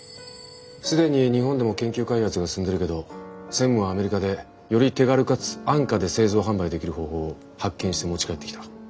既に日本でも研究開発が進んでるけど専務はアメリカでより手軽かつ安価で製造販売できる方法を発見して持ち帰ってきた。